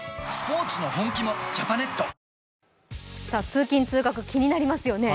通勤通学、気になりますよね